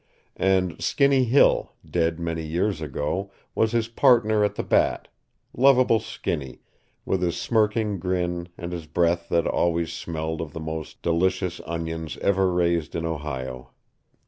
And Skinny Hill, dead many years ago, was his partner at the bat lovable Skinny, with his smirking grin and his breath that always smelled of the most delicious onions ever raised in Ohio.